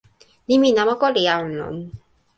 nimi namako li awen lon.